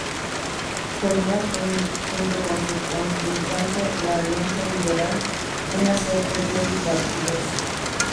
Formó junto con su contrincante, la Alianza Liberal una suerte de bipartidismo.